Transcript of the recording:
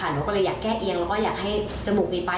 หนูก็เลยอยากแก้เอียงแล้วก็อยากให้จมูกดีไป